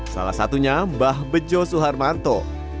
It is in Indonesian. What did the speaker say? salah satunya mbah bejo suharmanto